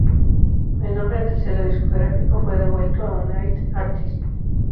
El nombre del sello discográfico fue devuelto a United Artists.